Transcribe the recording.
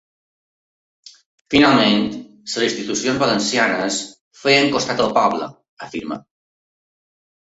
Finalment les institucions valencianes feien costat al poble, afirma.